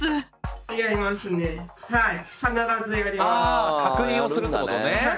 あ確認をするってことね。